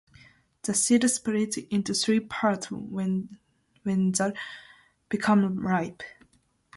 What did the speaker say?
The seeds split into three parts when they become ripe.